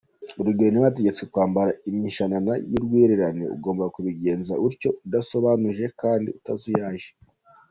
Urugero, niba hategetswe kwambara imishanana y’urwererane ugomba kubigenza utyo udasobanyije kandi utazuyaje.